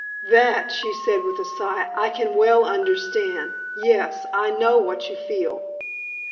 "That," she said, with a sigh, "I can well understand. Yes, I know what you feel."